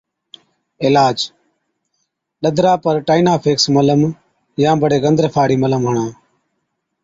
عِلاج، ڏَدرا پر (Tineafax Ointement) ٽائِينيافيڪس ملم يان بڙي گندرفا هاڙِي ملم هڻا۔